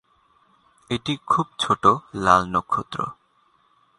এটি খুব ছোটো লাল নক্ষত্র।